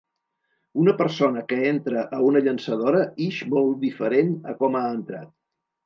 Una persona que entra a una llançadora ix molt diferent a com ha entrat.